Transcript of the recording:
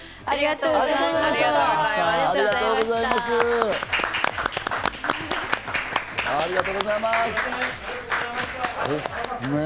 ありがとうございます。